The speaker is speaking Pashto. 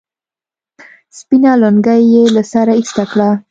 سپينه لونگۍ يې له سره ايسته کړه.